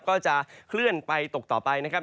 ก็จะเคลื่อนไปตกต่อไปนะครับ